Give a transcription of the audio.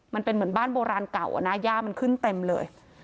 มันเป็นเหมือนบ้านโบราณเก่าอะนะย่ามันขึ้นเต็มเลย